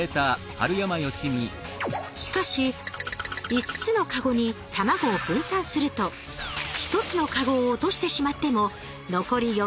しかし５つのカゴに卵を分散すると１つのカゴを落としてしまっても残り４つは無事。